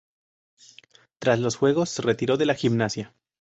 Tras los juegos se retiró de la gimnasia.